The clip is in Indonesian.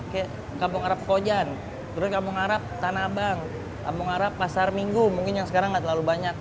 kampung arab pekojan terus kampung arab tanabang kampung arab pasar minggu mungkin yang sekarang nggak terlalu banyak